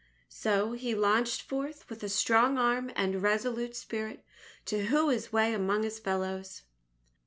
So he launched forth with a strong arm and resolute spirit to hew his way among his fellows.